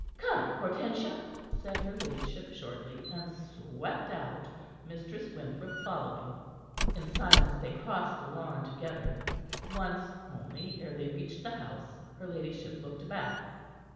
"Come, Hortensia," said her ladyship shortly, and swept out, Mistress Winthrop following. In silence they crossed the lawn together. Once only ere they reached the house, her ladyship looked back.